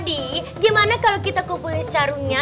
di gimana kalau kita kumpulin sarungnya